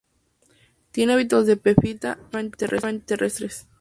Tiene hábitos de epífita y ocasionalmente terrestre.